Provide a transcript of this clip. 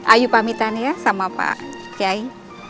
ayu pamitan ya sama pak kiai